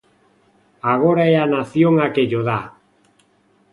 Agora é a nación a que llo dá.